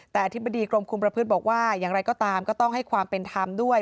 แต่อธิบดีกรมคุมประพฤติบอกว่าอย่างไรก็ตามก็ต้องให้ความเป็นธรรมด้วย